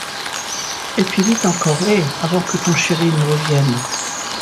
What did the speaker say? Et puis vite encore, hé, avant que ton chéri il ne revienne.